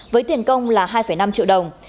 với tiền công là hai năm triệu đồng